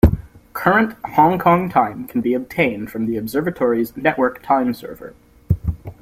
Current Hong Kong Time can be obtained from the Observatory's Network Time Server.